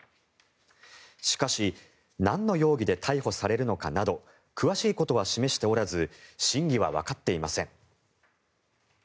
しかし、なんの容疑で逮捕されるのかなど詳しいことは示しておらず真偽はわかっていません。